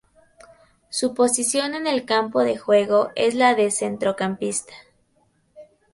Su posición en el campo de juego es la de centrocampista.